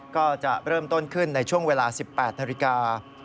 ก็จะเริ่มต้นขึ้นในช่วงเวลา๑๘นาฬิกา